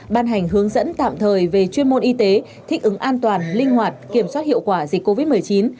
ban hành hướng dẫn tạm thời về chuyên môn y tế thích ứng an toàn linh hoạt kiểm soát hiệu quả dịch covid một mươi chín